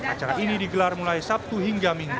acara ini digelar mulai sabtu hingga minggu